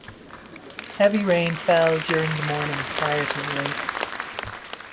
Heavy rain fell during the morning prior to the race.